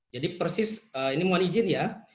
jadi persis ini mohon izin ya